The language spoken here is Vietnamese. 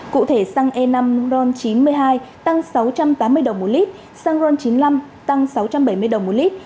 cụ thể xăng e năm ron chín mươi hai tăng sáu trăm tám mươi đồng một lít xăng ron chín mươi năm tăng sáu trăm bảy mươi đồng một lít